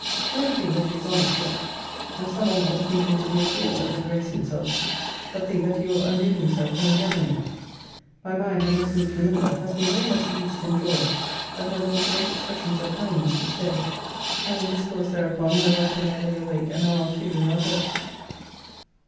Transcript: Many think that he is honest yet, and some or more think him to be a fool that would raise himself, but think that he will undo himself by endeavouring it. My mind, I must needs remember, has been very much eased and joyed at my Lord's great expressions of kindness this day, and in discourse thereupon my wife and I lay awake an hour or two in our bed.